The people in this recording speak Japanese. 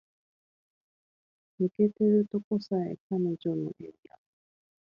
抜けてるとこさえ彼女のエリア